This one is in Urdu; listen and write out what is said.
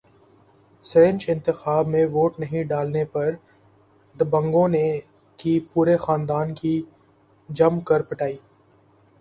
سرپنچ انتخابات میں ووٹ نہیں ڈالنے پر دبنگوں نے کی پورے خاندان کی جم کر پٹائی